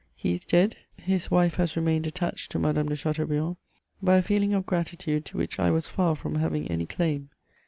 He is dead: his wife has remained attached to Madame de Chateaubriand by a feeling of gratitude to which I was far from having any claim.